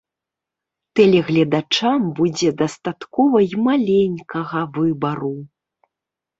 Тэлегледачам будзе дастаткова і маленькага выбару.